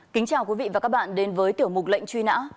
kính chào quý vị và các bạn đến với tiểu mục lệnh truy nã